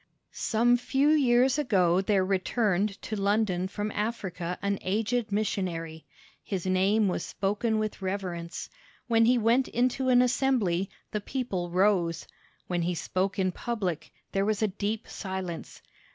Some few years ago there returned to London from Africa an aged missionary. His name was spoken with reverence. When he went into an assembly, the people rose. When he spoke in public, there was a deep silence.